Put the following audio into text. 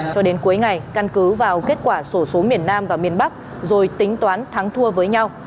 cho đến cuối ngày căn cứ vào kết quả sổ số miền nam và miền bắc rồi tính toán thắng thua với nhau